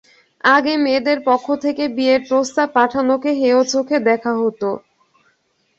আগে মেয়েদের পক্ষ থেকে বিয়ের প্রস্তাব পাঠানোকে হেয় চোখে দেখা হতো।